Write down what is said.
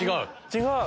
違う！